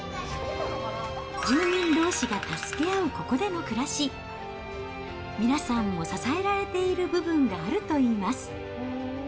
住民どうしが助け合うここでの暮らし、皆さんも支えられている部分があるといいます。